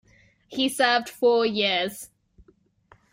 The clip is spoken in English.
He served four years.